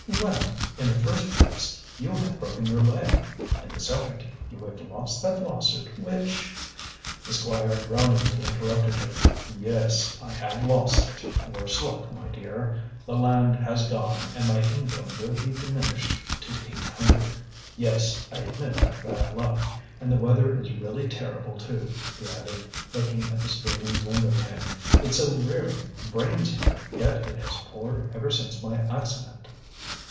"Well, in the first place, you have broken your leg; in the second, you have lost that lawsuit which " The Squire groaningly interrupted her: "Yes, I have lost it, worse luck, my dear. The land has gone, and my income will be diminished to eight hundred. Yes, I admit that bad luck. And the weather is really terrible too," he added, looking at the streaming window pane. "It so rarely rains here, yet it has poured ever since my accident."